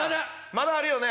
まだあるよね？